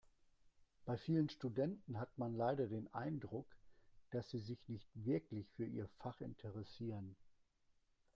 Bei vielen Studenten hat man leider den Eindruck, dass sie sich nicht wirklich für ihr Fach interessieren.